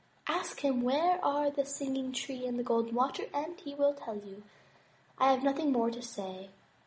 Ask him where are the Singing Tree and Golden Water and he will tell you. I have nothing more to say."